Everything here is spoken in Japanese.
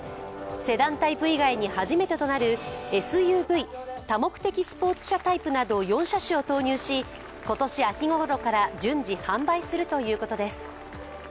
セダンタイプ以外に初めてとなるＳＵＶ＝多目的スポーツ車タイプなど４車種を投入し、今年秋ごろから順次販売するということです。